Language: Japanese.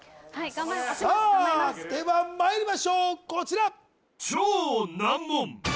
頑張りますさあではまいりましょうこちら